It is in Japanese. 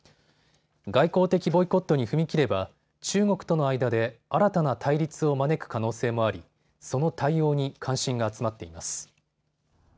外交的ボイコットに踏み切れば中国との間で新たな対立を招く可能性もあり、その対応に関心が集まっています。